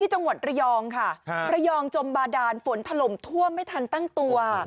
จังหวัดระยองค่ะระยองจมบาดานฝนถล่มท่วมไม่ทันตั้งตัว